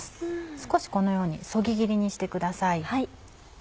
少しこのようにそぎ切りにしてください。